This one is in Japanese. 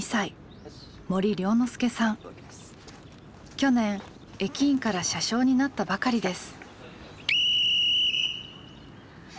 去年駅員から車掌になったばかりです。